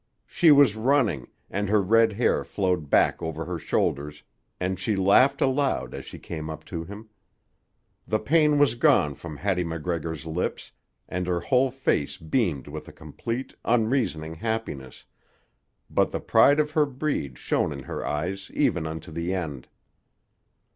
She was running, and her red hair flowed back over her shoulders, and she laughed aloud as she came up to him. The pain was gone from Hattie MacGregor's lips, and her whole face beamed with a complete, unreasoning happiness, but the pride of her breed shone in her eyes even unto the end.